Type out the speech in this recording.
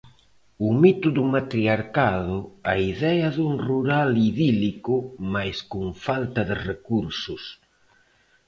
O mito do matriarcado, a idea dun rural idílico mais con falta de recursos.